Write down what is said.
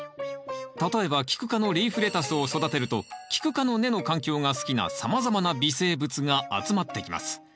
例えばキク科のリーフレタスを育てるとキク科の根の環境が好きなさまざまな微生物が集まってきます。